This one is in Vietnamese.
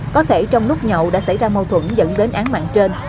có thể trong lúc nhậu đã xảy ra mâu thuẫn dẫn đến án mạng trên